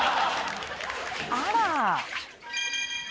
あら！